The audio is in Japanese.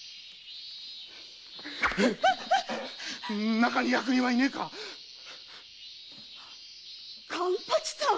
中に役人はいねえか⁉勘八さん！